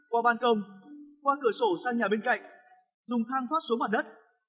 qua ban công qua cửa sổ sang nhà bên cạnh dùng thang thoát xuống mặt đất